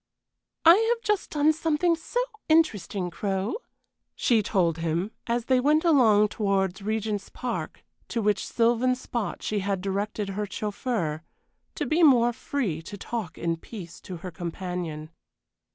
"I have just done something so interesting, Crow," she told him, as they went along towards Regent's Park, to which sylvan spot she had directed her chauffeur, to be more free to talk in peace to her companion.